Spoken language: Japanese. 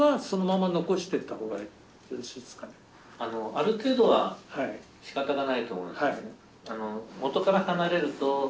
ある程度はしかたがないと思います。